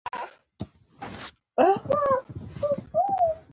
زموږ ژوند همدا دی